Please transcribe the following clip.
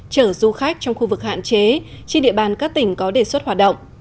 chở du khách trong khu vực hạn chế trên địa bàn các tỉnh có đề xuất hoạt động